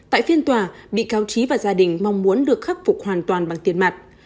tại phiên tòa bị cáo trí và gia đình mong muốn được khắc phục hoàn toàn bằng tiền mặt